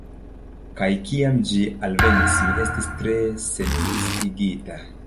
Kaj kiam ĝi alvenis, mi estis tre seniluziigita.